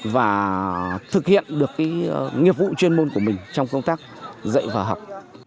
và thực hiện được nghiệp vụ chuyên môn của mình trong công tác dạy và học